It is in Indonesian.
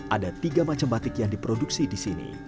ada tiga macam batik yang diproduksi di sini